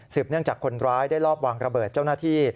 เนื่องจากคนร้ายได้รอบวางระเบิดเจ้าหน้าที่